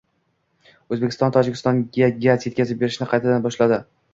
O‘zbekiston Tojikistonga gaz yetkazib berishni qaytadan boshladi